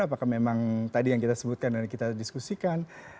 apakah memang tadi yang kita sebutkan dan kita diskusikan